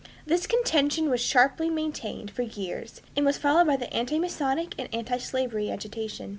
This contention was sharply maintained for years, and was followed by the antimasonic and antislavery agitation.